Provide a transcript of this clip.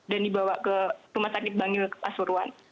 dan dibawa ke rumah sakit bangiw ke pasuruan